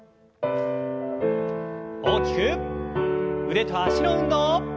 腕と脚の運動。